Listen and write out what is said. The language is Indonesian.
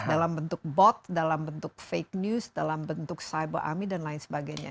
dalam bentuk bot dalam bentuk fake news dalam bentuk cyber army dan lain sebagainya